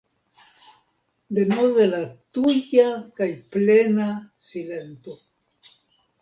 Denove la tuja kaj plena silento!